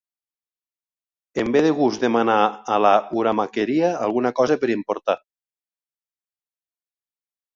Em ve de gust demanar a La Uramakeria alguna cosa per emportar.